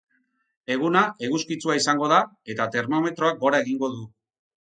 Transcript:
Eguna eguzkitsua izango da, eta termometroak gora egingo du.